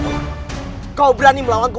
masuklah ke dalam